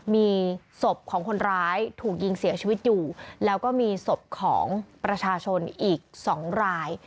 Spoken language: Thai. มีศพของคนร้ายถูกยิงเสียชีวิตอยู่แล้วก็มีศพของประชาชนอีก๒ราย